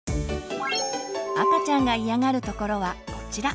赤ちゃんが嫌がるところはこちら。